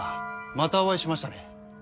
またお会いしましたね。